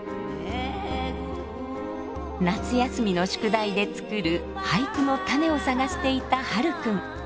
夏休みの宿題で作る俳句のタネを探していた葉琉君。